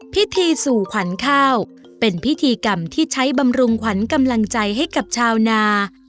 พิธีสู่ขวัญข้าวเป็นพิธีกรรมที่ใช้บำรุงขวัญกำลังใจให้กับชาวนา